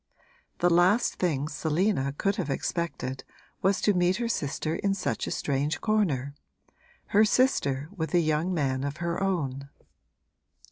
The last thing Selina could have expected was to meet her sister in such a strange corner her sister with a young man of her own!